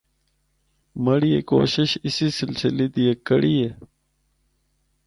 مڑی اے کوشش اسی سلسلے دی ہک کڑی ہے۔